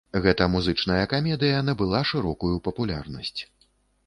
Гэта музычная камедыя набыла шырокую папулярнасць.